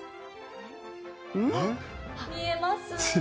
見えます？